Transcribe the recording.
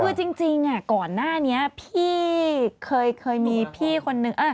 คือจริงก่อนหน้านี้พี่เคยมีพี่คนนึง